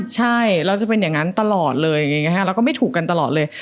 ใช่เราจะเป็นอย่างนั้นตลอดเลยอย่างนี้เราก็ไม่ถูกกันตลอดเลย